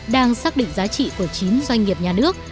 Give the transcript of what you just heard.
đang xác định giá trị của chín doanh nghiệp nhà nước